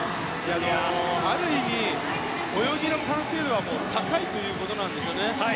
ある意味、泳ぎの完成度は高いということなんですよね。